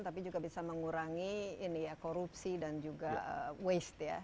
tapi juga bisa mengurangi korupsi dan juga waste ya